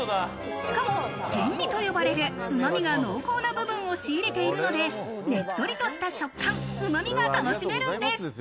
しかも天身呼ばれるうまみが濃厚な部分を仕入れているので、ねっとりとした食感、うまみが楽しめるんです。